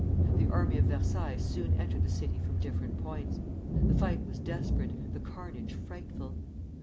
The army of Versailles soon entered the city from different points. The fight was desperate, the carnage frightful.